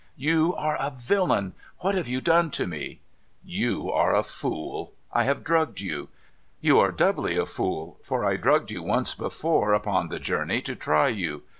' You are a villain. What have you done to me ?'' You are a fool. I have drugged you. You are doubly a fool, for I drugged you once before upon the journey, to try you.